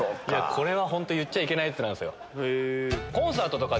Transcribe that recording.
これは本当言っちゃいけないやつなんですよ。